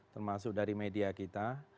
termasuk dari media kita